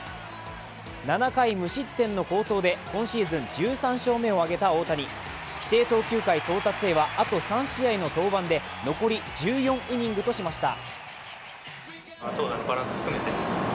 ７回無失点の好投で今シーズン１３勝目を挙げた大谷。規定投球回到達へは、あと３試合の登板で残り１４イニングとしました。